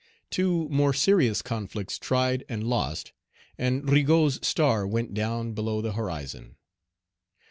Two more serious conflicts tried, and lost, and Rigaud's star went down below the horizon.